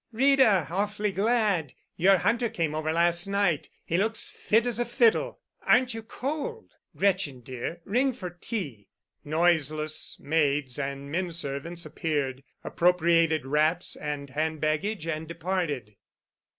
Rita! Awfully glad. Your hunter came over last night. He looks fit as a fiddle. Aren't you cold? Gretchen, dear, ring for tea." Noiseless maids and men servants appeared, appropriated wraps and hand baggage, and departed.